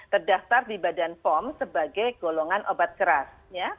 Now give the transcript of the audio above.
terdaftar di badan pom sebagai golongan obat keras